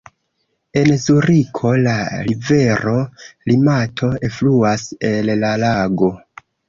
En Zuriko la rivero Limato elfluas el la lago.